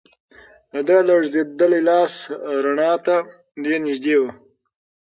د ده لړزېدلی لاس رڼا ته ډېر نږدې و.